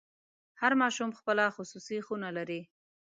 هر ماشوم خپله خصوصي خونه لري.